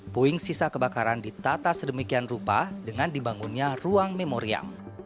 puing sisa kebakaran ditata sedemikian rupa dengan dibangunnya ruang memoriam